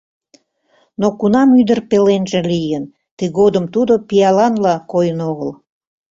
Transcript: Но кунам ӱдыр пеленже лийын, тыгодым тудо пиаланла койын огыл.